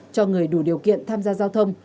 cho người đủ điều kiện tham gia giao thông